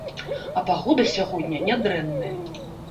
А пагода сягоння нядрэнная.